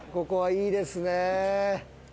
ここはいいですねえ